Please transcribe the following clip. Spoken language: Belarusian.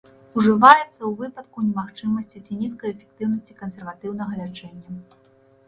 Ужываецца ў выпадку немагчымасці ці нізкай эфектыўнасці кансерватыўнага лячэння.